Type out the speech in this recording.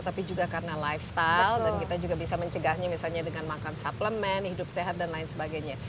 tapi juga karena lifestyle dan kita juga bisa mencegahnya misalnya dengan makan suplemen hidup sehat dan lain sebagainya